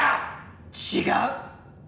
違う！